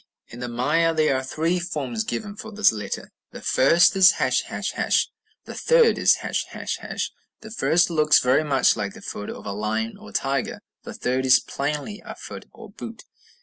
In the Maya there are three forms given for this letter. The first is ###; the third is ###. The first looks very much like the foot of a lion or tiger; the third is plainly a foot or boot.